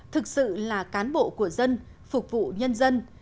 thực sự là cán bộ của dân phục vụ nhân dân